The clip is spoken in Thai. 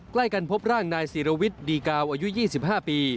ใกล้กันพบร่างนายศิรวิทย์ดีกาวอายุ๒๕ปี